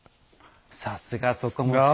さすがそこも鋭い。